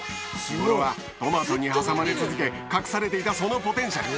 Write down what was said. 日頃はトマトに挟まれ続け隠されていたそのポテンシャル。